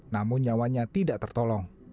namun nyawanya tidak tertolong